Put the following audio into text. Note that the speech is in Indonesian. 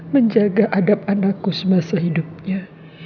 menjaga adab anakku semasa hidupnya